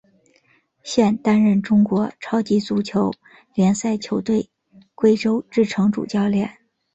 现担任中国超级足球联赛球队贵州智诚主教练。